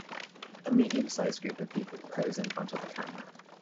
A medium sized group of people pose in front of the camera.